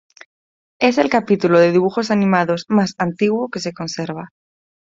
Es el capítulo de dibujos animados más antiguo que se conserva.